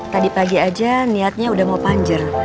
tadi pagi aja niatnya udah mau panjang